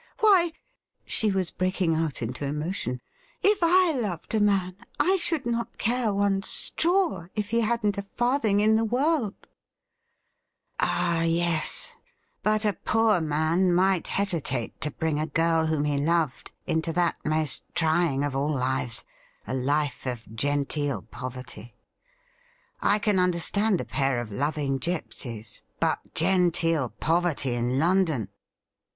' Why '— she was breaking out into emotion —' if I loved a man, I should not care one straw if he hadn't a farthing in the world !' 'Ah, yes; but a poor man might hesitate to bring a girl whom he loved into that most trying of all lives — a life of genteel poverty. I can understand a pair of loving gipsies ; but genteel poverty in London